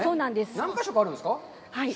何か所かあるんですか？